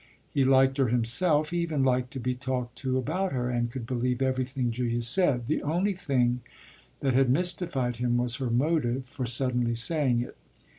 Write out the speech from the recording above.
He liked her himself he even liked to be talked to about her and could believe everything Julia said: the only thing that had mystified him was her motive for suddenly saying it.